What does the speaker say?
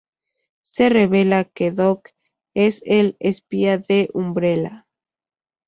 Se revela que Doc es el espía de Umbrella.